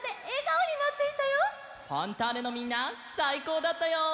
「ファンターネ！」のみんなさいこうだったよ！